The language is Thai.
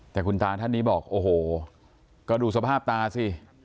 แต่คุณตาท่านนี้บอกโอ้โหก็ดูสภาพตาสิ